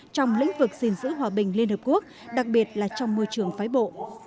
trong lĩnh vực gìn giữ hòa bình liên hợp quốc đặc biệt là trong môi trường phái bộ